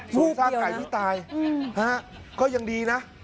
สู้ซากไก่ที่ตายก็ยังดีนะ